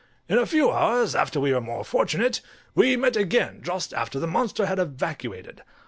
In a few hours after we were more fortunate, we met again just after the monster had evacuated.